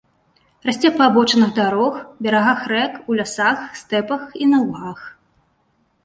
Расце па абочынах дарог, берагах рэк, у лясах, стэпах і на лугах.